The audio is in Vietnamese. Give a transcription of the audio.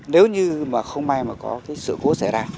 nếu như mà không may mà có cái sự cố xảy ra